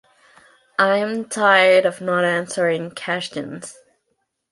I'm tired of not answering questions.